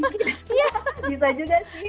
mungkin bisa juga sih